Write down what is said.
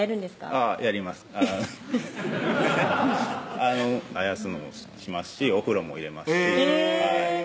あやすのもしますしお風呂も入れますしへぇ